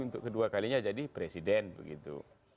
untuk kedua kalinya jadi presiden begitu